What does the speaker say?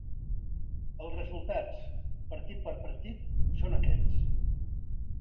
Els resultats, partit per partit, són aquests.